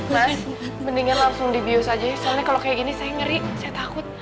mas mendingan langsung dibius aja soalnya kalau kayak gini saya ngeri saya takut